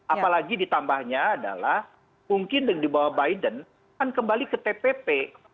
apalagi ditambahnya adalah mungkin di bawah biden kan kembali ke tpp